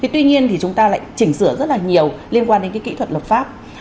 tuy nhiên thì chúng ta lại chỉnh sửa rất là nhiều liên quan đến cái kỹ thuật lập pháp